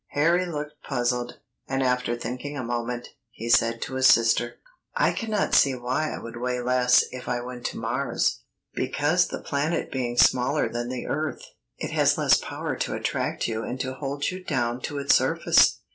Harry looked puzzled, and after thinking a moment, he said to his sister: "I cannot see why I would weigh less if I went to Mars." [Illustration: MARS AND THE EARTH.] "Because the planet being smaller than the earth, it has less power to attract you and to hold you down to its surface.